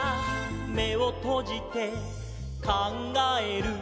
「めをとじてかんがえる」